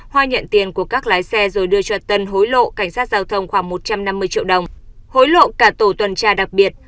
hoa nhận tiền của các lái xe rồi đưa cho tân hối lộ cảnh sát giao thông khoảng một trăm năm mươi triệu đồng hối lộ cả tổ tuần tra đặc biệt